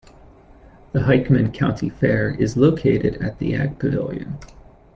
The Hickman County Fair is located at the Ag Pavilion.